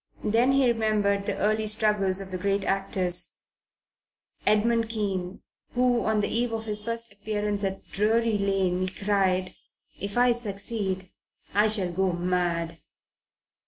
Then he remembered the early struggles of the great actors: Edmund Kean, who on the eve of his first appearance at Drury Lane cried, "If I succeed I shall go mad!"